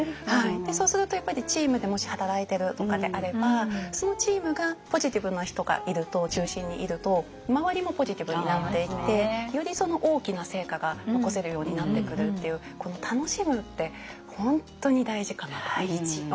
そうするとやっぱりチームでもし働いてるとかであればそのチームがポジティブな人が中心にいると周りもポジティブになっていってより大きな成果が残せるようになってくるっていうこの楽しむって本当に大事かなと思います。